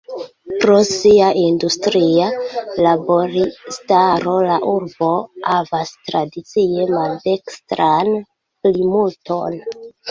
Pro sia industria laboristaro la urbo havas tradicie maldekstran plimulton.